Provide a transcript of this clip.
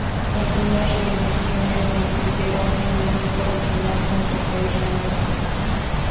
Algunas reediciones se incluyeron en un disco adicional junto a seis remezclas